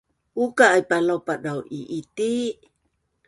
Uka aipa laupadau i’iti